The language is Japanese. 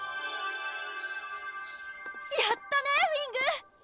やったねウィング！